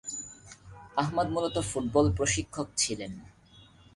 আহমাদ মূলত ফুটবল প্রশিক্ষক ছিলেন।